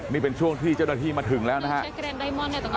นี่เป็นช่วงที่เจ้าหน้าที่มาถึงแล้วนะฮะ